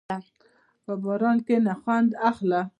په باران کښېنه، خوند اخله.